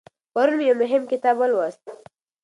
پرون مې یو مهم کتاب ولوست.